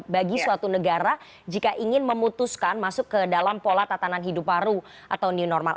bagi suatu negara jika ingin memutuskan masuk ke dalam pola tatanan hidup baru atau new normal